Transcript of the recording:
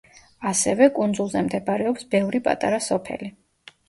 ასევე, კუნძულზე მდებარეობს ბევრი პატარა სოფელი.